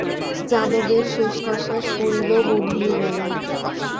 যাদবের শেষ নিশ্বাস পড়িল গোধূলিবেলায়।